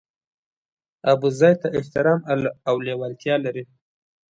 ابوزید ته احترام او لېوالتیا لري.